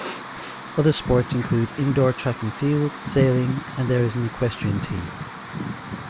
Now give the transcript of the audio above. Other sports include indoor track and field, sailing, and there is an equestrian team.